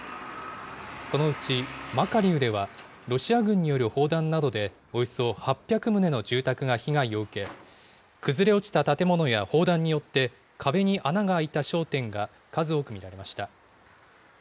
このうちマカリウでは、ロシア軍による砲弾などでおよそ８００棟の住宅が被害を受け、崩れ落ちた建物や砲弾によって、壁に穴が開いた商店が数多く見られました。